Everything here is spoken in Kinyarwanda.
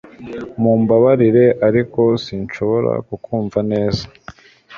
Mumbabarire ariko sinshobora kukumva neza